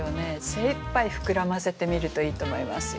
精いっぱい膨らませてみるといいと思いますよ。